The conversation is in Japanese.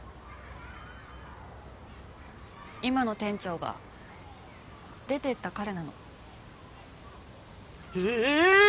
今の店長が出ていった彼なの。え！？